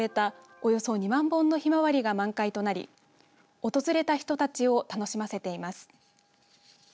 およそ２万本のひまわりが満開となり訪れた人たちを楽しませています。